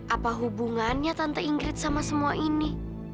apa hubungannya tante ingkrit sama semua ini